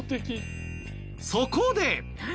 そこで。